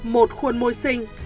một khuôn môi sinh